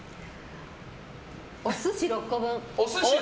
お寿司６個分。